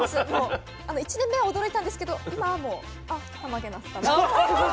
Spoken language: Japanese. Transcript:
１年目は驚いたんですけど今はもうあったまげなすだなって。